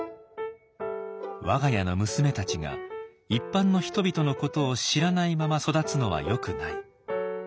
「我が家の娘たちが一般の人々のことを知らないまま育つのはよくない」。